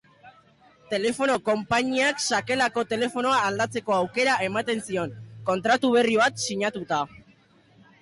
Telefono konpainiak sakelako telefonoa aldatzeko aukera ematen zion, kontratu berri bat sinatuta.